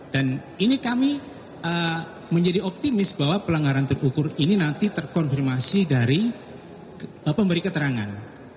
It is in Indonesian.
dan ini kami menjadi optimis bahwa pelanggaran terukur ini nanti terkonfirmasi dari pemberi keterangan